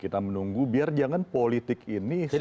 kita menunggu biar jangan politik ini